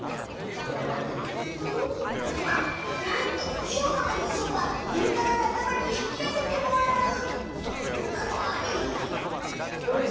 なんとしょうまの予想は上から仲間に引き上げてもらう！ってこんなのあり？